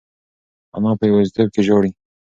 انا په یوازیتوب کې ژاړي.